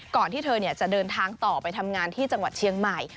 ที่เธอจะเดินทางต่อไปทำงานที่จังหวัดเชียงใหม่